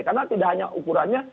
karena tidak hanya ukurannya